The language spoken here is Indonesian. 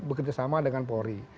bekerjasama dengan polri